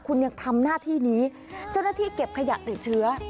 คุณยังทำหน้าที่นี้เจ้าหน้าที่เก็บขยะติดเชื้อ